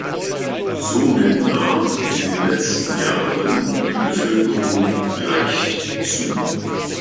Somit nahm in den letzten Jahren die Bevölkerung leicht zu.